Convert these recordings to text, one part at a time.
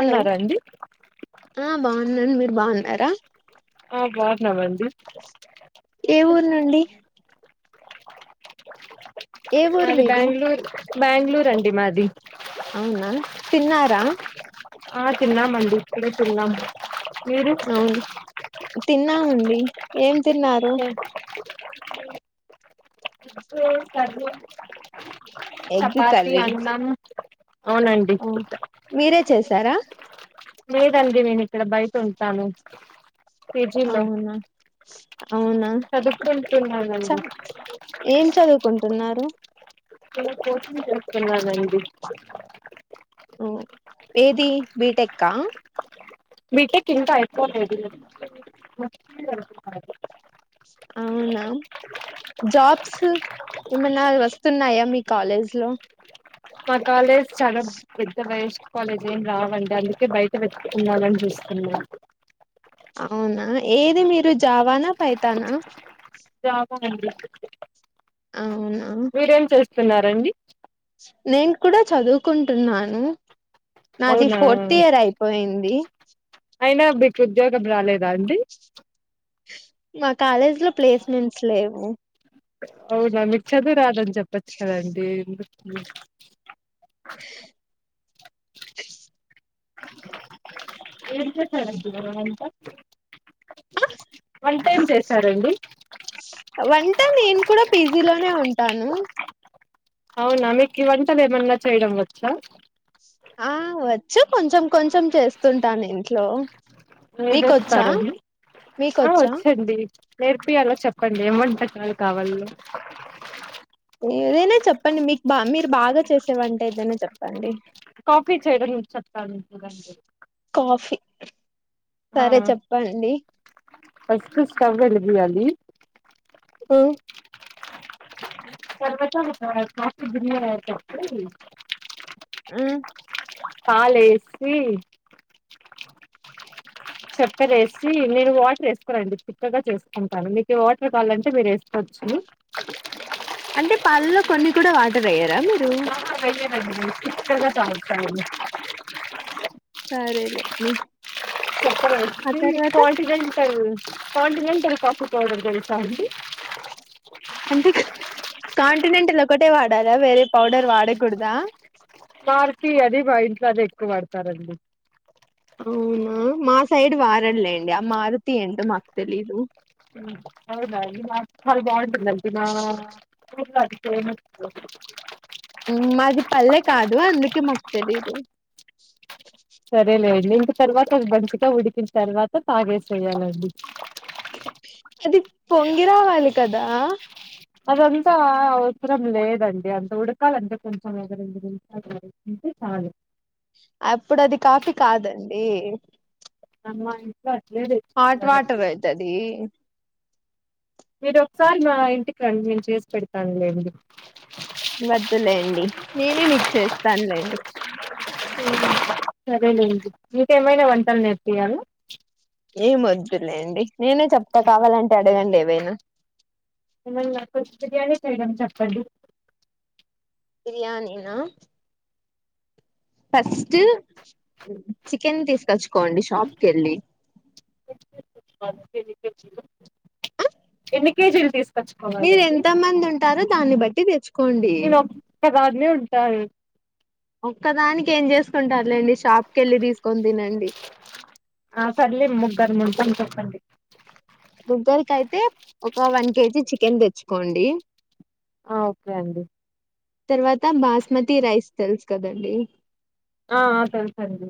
Hello అండి ఆ బాగున్నాను మీరు బాగున్నారా ఆ బాగున్నామండి ఏ ఊరు నుండి ఏ ఊరు మాది మీది బెంగళూరు బెంగళూరు అండి మాది అవునా తిన్నారా ఆ తిన్నామండి ఇప్పుడే తిన్నాము మీరు అవును తిన్నామండి ఏం తిన్నారు అ మేము కర్రీ ఎగ్ చపాతి అన్నం అవునండి ఆ మీరే చేసారా లేదండి నేను ఇక్కడ బయట ఉంటాను పీజీలో అవునా అవునా చ చదువుకుంటున్నానండి ఏం చదువుకుంటున్నారు నేను కోచింగ్ చేసుకున్నానండి ఏది బీటెక్కా బీటెక్ ఇంకా అయిపోలేదు అవునా జాబ్స్ ఏమన్నా వస్తున్నాయా మీ కాలేజ్ లో మా కాలేజ్ చాలా పెద్ద వేస్ట్ కాలేజ్ ఏం రావండి అందుకే బయట వెతుక్కోవాలని చూస్తున్నా అవునా ఏది మీరు జావానా పైథానా రామ అండి అవును మీరేం చేస్తున్నారండి నేను కూడా చదువుకుంటున్నాను నాది అవునా ఫోర్త్ ఇయర్ అయిపోయింది అయినా మీకు ఉద్యోగం రాలేదా అండి మా కాలేజ్ లో ప్లేస్మెంట్స్ లేవు అవునా మీకు చదువు రాదని చెప్పచ్చు కదండి ఎందుకు [inaudible] ఏం చేస్తున్నారండీ వాళ్ళంతా వంటేమ్ చేసారండి వంట నేను కూడా పీజీలోనే ఉంటాను అవునా మీకి వంటలు ఏమన్నా చేయడం వచ్చా ఆ వచ్చు కొంచెం కొంచెం చేస్తుంటాను ఇంట్లో ఎం మీకొచ్చా చేస్తారండి ఆ మీకొచ్చా వచ్చండి నేర్పియాల చెప్పండి ఏం వంటకాలు కావాలి ఏదైనా చెప్పండి మీకు బా మీరు బాగా చేసేవంట ఏదైనా చెప్పండి కాఫీ చేయడం వచ్చు అని చెప్తానండి కాఫీ సరే చెప్పండి ఫస్ట్ స్టవ్ వెలిగియ్యాలి హ తర్వాత ఒక ప్లాస్టిక్ గిన్నె లో పెట్టీ మ్మ్ పాలేసి చెక్కెరేసి నేను వాటర్ వేసుకోనండి చిక్కగా చేసుకుంటాను మీకు వాటర్ కావాలంటే మీరు వేసుకోండి [inaudible] అంటే పాలల్లో కొన్ని కూడా వాటరేయ్యరా మీరు ఆ చిక్కగా తాగుతాండీ సరే లేండి చక్కెర వేసి కాంటినెంటల్ కాఫీ పౌడర్ తెలుసా అండి అంటే కాంటినెంటల్ ఒకటే వాడాలా వేరే పౌడర్ వాడకూడదా మారుతి అదే మా ఇంట్లో అదే ఎక్కువ వాడతారండి అవునా మా సైడ్ వాడరు లెండి ఆ మారుతి ఏంటో మాకు తెలీదు అవునా అండి మాది బాగుంటుందండి మా ఊర్లో అది ఫేమస్ ఉమ్, మాది పల్లె కాదు అందుకే మాకు తెలీదు దీనికి తర్వాత మంచిగా ఉడికిన తర్వాత తాగేసేయాలండి అది పొంగి రావాలి కదా అదంతా అవసరం లేదండి అంత ఉడకాలంటే కొంచెం ఒక రెండు నిమిషాల వరకుంటే చాలు అప్పుడు అది కాఫీ కాదండి మా ఇంట్లో అట్లనే హాట్ తెచ్చుకున్నారండి వాటర్ అయితది మీరు సారి మా ఇంటికి రండి నేను చేసి పెడతానులేండి వదులేండి నేనే మీకు చేస్తానులేండి ఉ సరేలేండి మీకేమైనా వంటలు నేర్పియ్యాలా ఏం వద్దులేండి నేనే చెప్తా కావాలంటే అడగండి ఏవైనా [inaudible] చేయడం చెప్పండి. బిర్యానీ నా. ఫస్ట్ చికెన్ తీసుకొచ్చుకోండి. షాప్ కెళ్ళి. వన్ కేజీ చికెన్, ఎన్ని కేజీలు తీస్. మీరు ఎంత మంది ఉంటారో. దాన్ని బట్టి తెచ్చుకోండి. బాగానే ఉంటారు. ఒక్కదానికి ఏం చేసుకుంటారులేండి షాప్ కెళ్ళి తీసుకొని తినండి ఆ సర్లే ముగ్గరు ముగ్గురు మందం చెప్పండి. ముగ్గురి కయితే ఒక వన్ కేజీ చికెన్ తెచ్చుకోండి. ఆ ఓకే అండి. తర్వాత బాస్మతి రైస్ తెలుసు కదండి. ఆ తెలుసండి.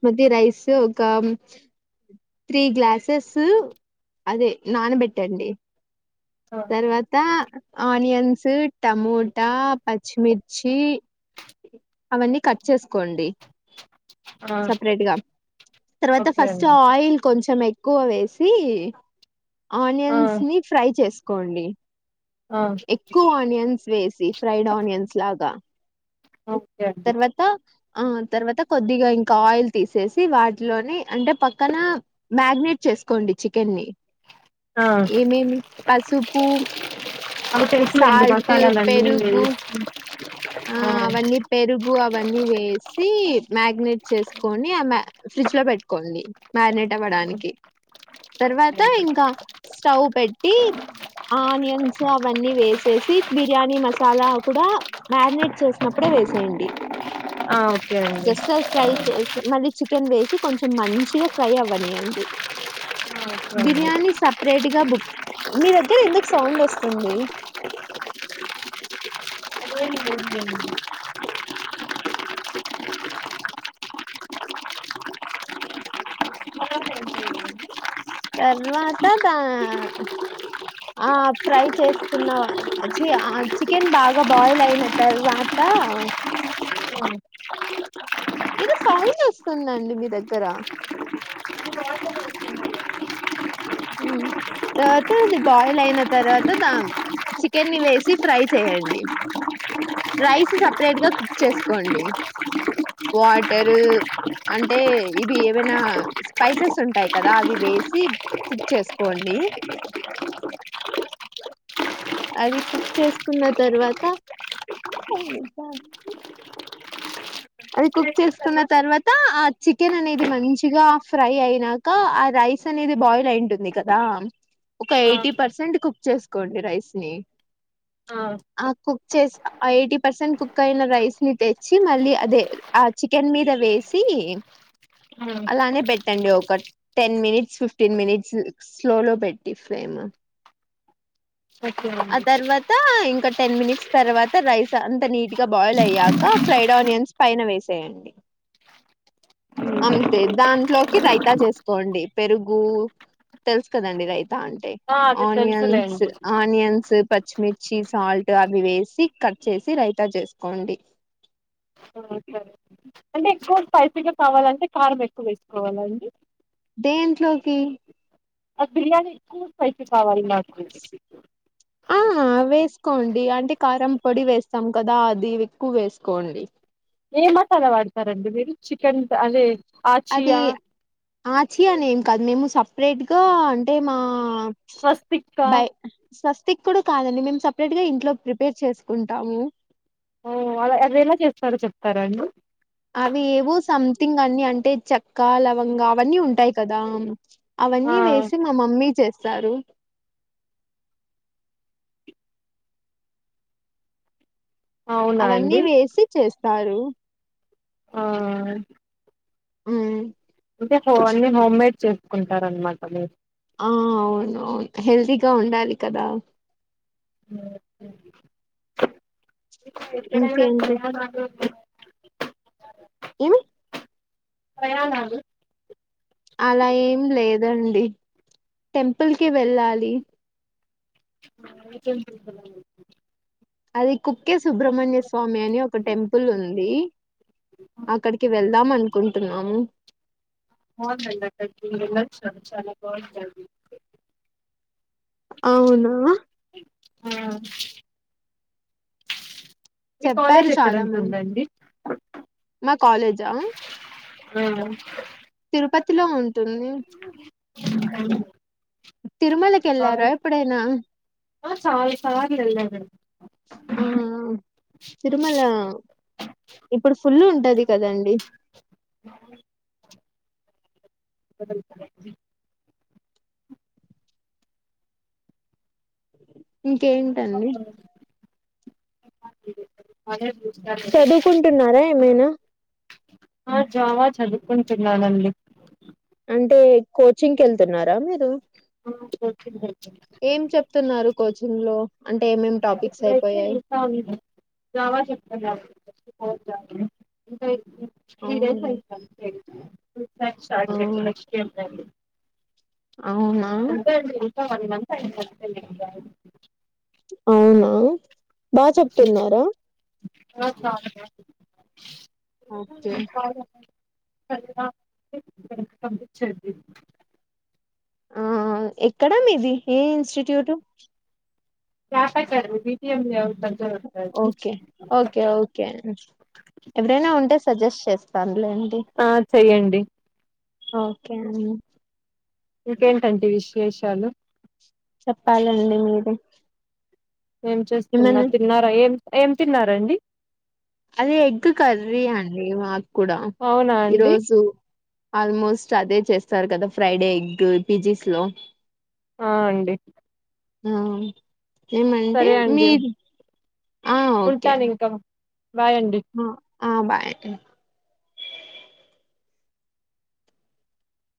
కొద్దిగ రైస్ ఒక. త్రీ గ్లాసెస్ అదే నానబెట్టండి. ఆ తర్వాత ఆనియన్స్ టమోటా పచ్చిమిర్. వచ్చి, అవన్నీ కట్ చేసుకోండి. ఆ, సపరేట్గా, తర్వాత ఓకే ఫస్ట్ అండి ఆయిల్ కొంచం ఎ. ఎక్కువ వేసి ఆ ఆనియన్స్ ని ఫ్రై చేసుకోండి. ఆ ఎక్కువ ఆనియన్స్ వేసి ఫ్రైడ్ ఆనియన్స్ లాగా. ఆ తర్వాత. ఆ తర్వాత కొద్దిగా ఇంకా ఆయిల్ తీసేసి, వాటిలోని అంటే పక్కన మ్యాగ్నెట్. చేసుకోండి చికెన్ని, ఆ ఏమేమి పసుపు. సాల్ట్ పెరుగు [inaudible] ఆ అవన్నీ పేరు. గు, అవన్నీ వేసి మ్యాగ్నెట చేసుకొని, ఫ్రిడ్జ్ లో పెట్టుకోండి మ్యాగ్నెట్. టడానికి, తర్వాత ఇంకా స్టవ్ పెట్టి. ఆనియన్స్ అవన్నీ వేసేసి బిర్యానీ మసాలా కూడా. మ్యారినేట్ చేసినప్పుడే వేసేయండి ఆ ఓకే అండి ఆ జస్ట్ ఫ్రై చేసి మళ్ళీ చే. చికెన్ వేసి కొంచెం మంచిగా ఫ్రై అవ్వనీయండి. ఓకే అండి బిర్యానీ సపరేట్ గా బుక్. మీ దగ్గర ఎందుకు సౌండ్ వస్తుంది. [inaudible] తర్వాత తా. ఆ ఫ్రై చేసుకున్న చి చికెన్ బాగా బాయిల్ అయిన తర్వాత. [inaudible] ఏదో [unintelligible] వస్తుందండి మీ దగ్గర. హూ, తర్వాత అది బాయిల్ అయిన తర్వాత దా. చికెన్ని ని వేసి ఫ్రై చేయండి. రైస్ సపరేట్ గా కుక్ చేసుకోండి, వాటరు. అంటే ఇవి ఏవైనా స్పైసెస్ ఉంటాయి. కదా అవి వేసి. కుక్ చేసుకోండి. అది కుక్ చేసుకున్న తర్వాత [unintelligible] అది కుక్ చేసుకున్న తర్వాత ఆ చికెన్ అనేది మంచిగా ఫ్రై అయినాక ఆ రై. రైస్ అనేది బాయిల్ అయింటుంది కదా. ఒక ఎయిటీ పర్సెంట్ కుక్ చేసుకోండి రైస్ ని ఆ కుక్ చేసి ఎయిటీ పర్సెంట్ కుక్ అయిన రైస్ని తెచ్చి మళ్ళీ అదే ఆ చికెన్ మీద వేసి అలానే పెట్టండి ఒక టెన్ మినిట్స్ ఫిఫ్టీన్ మినిట్స్ స్లోలో పెట్టి ఫ్లేమ్ ఒకే ఆ అండి తర్వాత ఇంకా టెన్ మినిట్స్ తర్వాత రైస్ అంతా నీట్ గా బాయిల్ అయ్యాక ఫ్రైడ్ ఆనియన్స్ పైన వేసేయండి అంతే దాంట్లోకి రైతా చేసుకోండి పెరుగు తెలుసు కదండి రైతా అంటే ఆ అది తెలుసులే ఆనియన్స్ అండి ఆనియన్స్ పచ్చిమిర్చి సాల్ట్ అవి వేసి కట్ చేసి రైతా చేసుకోండి ఆ, సరే అంటే ఎక్కువ స్పైసీ గా కావాలంటే కారం ఎక్కువ వేసుకోవాలండి దేంట్లోకి అది బిర్యానీకూ స్పైసి కావాలి నాకు ఆ వేసుకోండి అంటే కారం పొడి వేస్తాం కదా అది ఎక్కువ వేసుకోండి ఏ మసాలా వాడతారండి మీరు చికెన్ అదే ఆచియా ఆచి అని ఏం కాదు మేము సపరేట్ గా అంటే మా స్వస్తికా బయ్ సస్ క్ కూడా కాదండి మేము సపరేట్ గా ఇంట్లో ప్రిపేర్ చేసుకుంటాము వాళ్ళ అద ఎలా చేస్తారో చెప్తారా అండి అవి ఏవో సంథింగ్ అన్ని అంటే చెక్క లవంగా అవన్నీ ఉంటాయి కదా ఆ అవన్నీ వేసి మా మమ్మీ చేస్తారు అవునా అవన్నీ అండి వేసి చేస్తారు ఆ ఉ అంటే హో అన్ని హోమ్ మేడ్ చేసుకుంటారనమాట మీరు ఆ అవును అవును హెల్తీగా ఉండాలి కదా ఇక్కడ కూడా ఇంకేంటి [unintelligible] ఎమి ప్రయాణాలు అలా ఏం లేదండి టెంపుల్కి వెళ్ళాలి అ అది కుక్కే సుబ్రమణ్య స్వామి అని ఒక టెంపుల్ ఉంది అక్కడికి వెళ్దాం అనుకుంటున్నాము బాంటుందండి మేము వెళ్ళిచ్చినం చాలా బాంటది అవునా ఆ మీ కాలేజ్ చెప్పారు ఎక్కడ చాలా మంది ఉంటుందండి మా కాలేజా ఆ తిరుపతిలో ఉంటుంది అ తిరుమలకి వెళ్లార ఎప్పుడైనా ఆ చాలా సార్లు వెల్లాం ఆ అ తిరుమల ఇప్పుడు ఫుల్ ఉంటది కదండి ఇంకేంటండి అదే [unintelligible] చదువుకుంటున్నారా ఏమైనా ఆ జావా చదువుకుంటున్నానండి అంటే కోచింగ్ కి వెళ్తున్నారా మీరు ఏం చెప్తున్నారు కోచింగ్ లో అంటే ఏమేం టాపిక్స్ అయిపో ఇప్పుడైతే ఇంకా జావా చెప్తున్నారు కొర్స్ [unintelligible] ఫిఫ్టీ డేస్ అవును అయింది అంతే క్లాస్ స్టార్ట్ ఆ చేస్తే నెక్స్ట్ ఎంటాండి అవునా ఇంకా వన్ మంత్ అయింది అంతే నిను జాయిన్ అయ్యి అవునా బాగా చెప్తున్నారా ఓకే అండి ఓకే పంపిచ్చండి ఆ ఎక్కడ ఇది ఏ ఇన్ స్టిట్యూట్ చాప [unintelligible] బిపి ఎం లేవ్ ఓకే ఓకే ఓకే ఎవరైనా ఉంటే సజెస్ట్ చేస్తాను ఆ చెయ్యండి ఓకే అన్ని ఇంకేంటండి విశేషాలు చెప్పాలండి మీరే ఏం చేస్తున్న ఏమన్నా తిన్నారా ఏం ఏం తిన్నారాండి అదే ఎగ్ కర్రీ అండి మా కూడా అవునా అండి ఈరోజు ఆల్మోస్ ట్ అదే చేస్తారు కదా ఫ్రైడ్ ఎగ్ పిజీస్ లో ఆ అండి ఆ ఏమంటే సరే అండి మీర్ ఆ ఓకే ఉంటాను ఇంకా బాయ్ అండి ఆ ఆ బాయ్